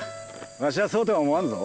わしはそうとは思わんぞ。